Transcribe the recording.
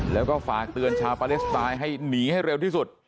แล้วก็ฝากเตือนชาวปาเลสไตน์ให้หนีให้เร็วที่สุด